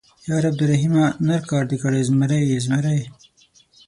_ياره عبدالرحيمه ، نر کار دې کړی، زمری يې، زمری.